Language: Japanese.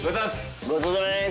ごちそうさまです！